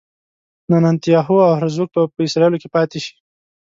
نتنیاهو او هرزوګ به په اسرائیلو کې پاتې شي.